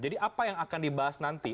jadi apa yang akan dibahas nanti